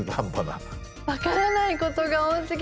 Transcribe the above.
分からないことが多すぎ。